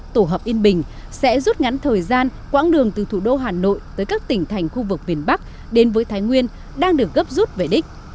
tổ hợp yên bình sẽ rút ngắn thời gian quãng đường từ thủ đô hà nội tới các tỉnh thành khu vực miền bắc đến với thái nguyên đang được gấp rút về đích